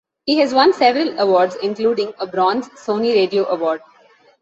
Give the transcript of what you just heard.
He has won several awards including a Bronze Sony Radio Award.